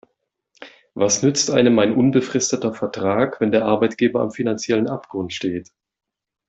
Was nützt einem ein unbefristeter Vertrag, wenn der Arbeitgeber am finanziellen Abgrund steht?